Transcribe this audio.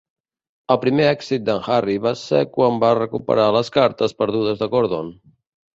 El primer èxit d'en Harry va ser quan va recuperar les cartes perdudes de Gordon.